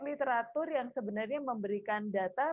literatur yang sebenarnya memberikan data